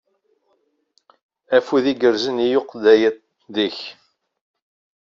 Afud igerrzen i ukayad-ik!